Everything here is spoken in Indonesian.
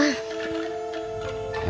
jadinya saya senyum